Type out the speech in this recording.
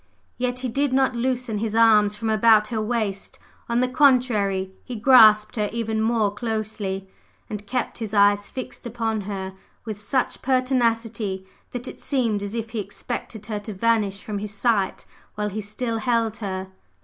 Yet he did not loosen his arms from about her waist; on the contrary he clasped her even more closely, and kept his eyes fixed upon her with such pertinacity that it seemed as if he expected her to vanish from his sight while he still held her.